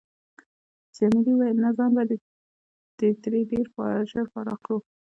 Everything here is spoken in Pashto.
جميلې وويل: نه ځان به ترې ډېر ژر فارغ کړو.